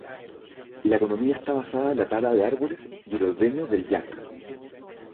La economía está basada en la tala de árboles y el ordeño del yak.